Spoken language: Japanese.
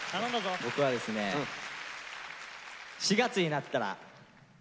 僕はですね４月になったら。